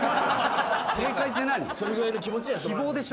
それぐらいの気持ちで。